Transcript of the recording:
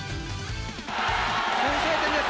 先制点です。